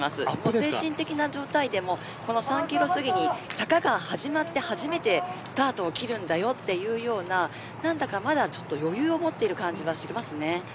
精神的な状態でも３キロ過ぎに坂が始まって初めてスタートを切るというようななんだかまだちょっと余裕を持っている感じがします。